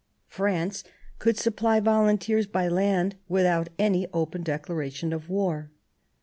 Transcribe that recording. France could supply volunteers by land without any open declaration of war.